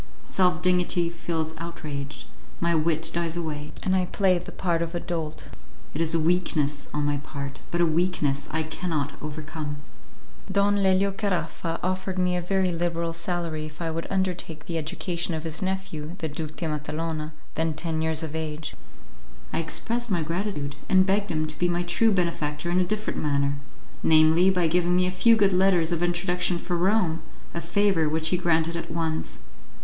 Self dignity feels outraged, my wit dies away, and I play the part of a dolt. It is a weakness on my part, but a weakness I cannot overcome. Don Lelio Caraffa offered me a very liberal salary if I would undertake the education of his nephew, the Duke de Matalona, then ten years of age. I expressed my gratitude, and begged him to be my true benefactor in a different manner namely, by giving me a few good letters of introduction for Rome, a favour which he granted at once.